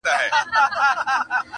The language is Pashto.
• زما په برخه به نن ولي دا ژړاوای -